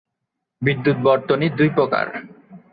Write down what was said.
বিদ্যুৎ বর্তনী দুই প্রকার।